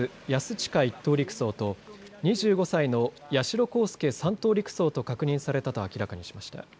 親１等陸曹と２５歳の八代航佑３等陸曹と確認されたと明らかにしました。